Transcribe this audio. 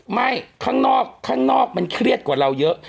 ข้างนอกข้างนอกมันเครียดกว่าเราเยอะ